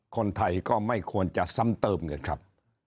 คนไทยก็ไม่ควรจะซ้ำเติมกันครับ